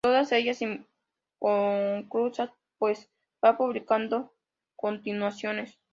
Todas ellas inconclusas, pues va publicando continuaciones.